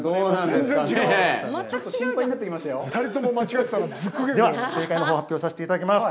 では、正解のほう、発表させていただきます。